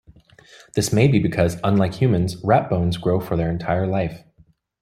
This may be because unlike humans, rat bones grow for their entire life.